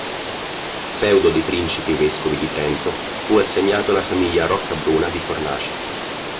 Feudo dei principi vescovi di Trento, fu assegnato alla famiglia Roccabruna di Fornace.